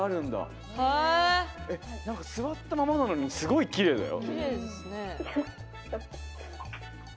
座ったままなのにすごいきれいだよ。